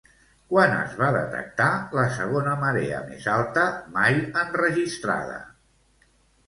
Quan es va detectar la segona marea més alta mai enregistrada?